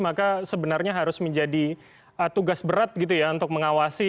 maka sebenarnya harus menjadi tugas berat untuk mengawasi